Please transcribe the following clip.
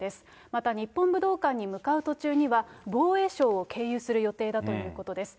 また日本武道館に向かう途中には、防衛省を経由する予定だということです。